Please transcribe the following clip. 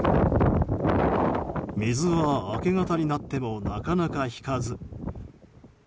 水は明け方になってもなかなか引かず。